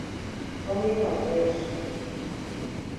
— Шоҥгемалтеш...